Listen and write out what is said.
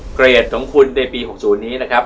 เกรดของคุณในปี๖๐นี้นะครับ